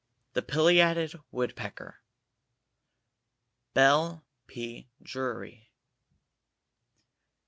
THE PILEATED WOODPECKER. BELLE P. DRURY.